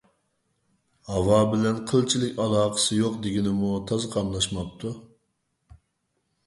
ھاۋا بىلەن قىلچىلىك ئالاقىسى يوق دېگىنىمۇ تازا قاملاشماپتۇ